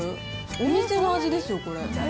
お店の味ですよ、これ。